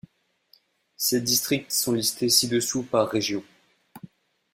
Ces districts sont listés ci-dessous par région.